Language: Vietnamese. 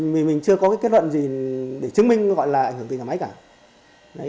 vì mình chưa có cái kết luận gì để chứng minh gọi là ảnh hưởng từ nhà máy cả